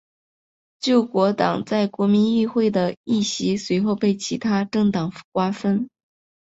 救国党在国民议会的议席随后被其它政党瓜分。